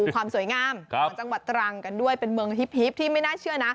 กันด้วยเป็นเมืองฮิับที่ไม่น่าเชื่อ